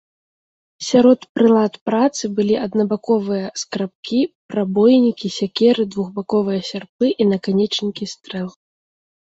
Сярод прылад працы былі аднабаковыя скрабкі, прабойнікі, сякеры, двухбаковыя сярпы і наканечнікі стрэл.